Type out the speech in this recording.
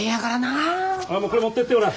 ああこれ持ってってほら。